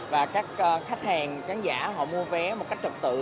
và các khách hàng khán giả họ mua vé một cách trực tự